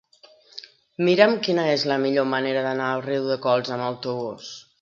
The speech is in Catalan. Mira'm quina és la millor manera d'anar a Riudecols amb autobús.